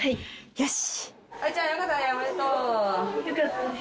よし！